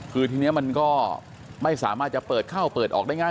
คือทีนี้มันก็ไม่สามารถจะเปิดเข้าเปิดออกได้ง่าย